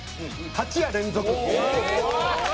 ８夜連続！